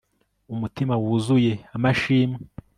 umutima wuzuye amashimwe